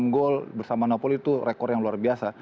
tiga puluh enam gol bersama napoli itu rekor yang luar biasa